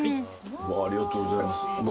ありがとうございます。